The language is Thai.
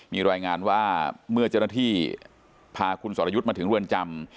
มีรายงานว่าเมื่อเจ้าหน้าที่พาคุณสรยุทธ์มาถึงเรือนจำ